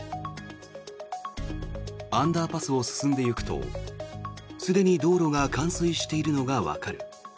アンダーパスを進んでいくとすでに道路が冠水しているのがわかる。